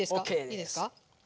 いいですか？